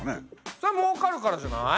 そりゃもうかるからじゃない？